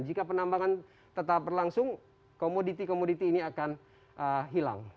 jika penambangan tetap berlangsung komoditi komoditi ini akan hilang